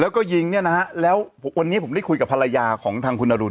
แล้วก็ยิงเนี่ยนะฮะแล้ววันนี้ผมได้คุยกับภรรยาของทางคุณอรุณ